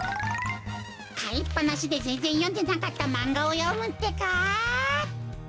かいっぱなしでぜんぜんよんでなかったマンガをよむってか。